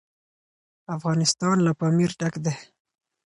افغانستان له پامیر ډک دی.